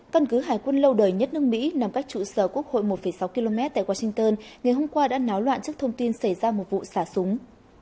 căn cứ hải quân lâu đời nhất nước mỹ nằm cách trụ sở quốc hội một sáu km tại washington ngày hôm qua đã náo loạn trước thông tin xảy ra một vụ xả súng